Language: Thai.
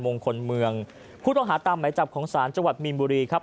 มงคลเมืองผู้ต้องหาตามไหมจับของศาลจังหวัดมีนบุรีครับ